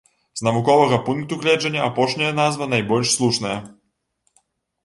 З навуковага пункту гледжання апошняя назва найбольш слушная.